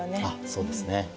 あっそうですね。